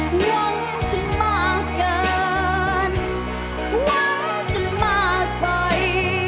หวังฉันมากเกินหวังจะมากไป